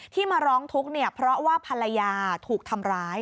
ที่มาร้องทุกข์เนี่ยเพราะว่าภรรยาถูกทำร้าย